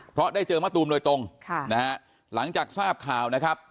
เพราะได้เจอมะตูมโดยตรงค่ะนะฮะหลังจากทราบข่าวนะครับ